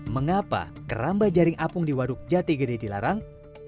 mengapa keramba jaring apung di waduk jati gede dilarang